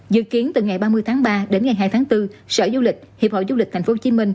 dự kiến từ ngày ba mươi tháng ba đến ngày hai tháng bốn sở du lịch hiệp hội du lịch tp hcm